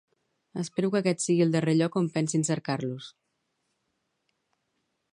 Espero que aquest sigui el darrer lloc on pensin cercar-los.